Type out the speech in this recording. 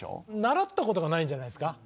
「習った事がないんじゃないですか？」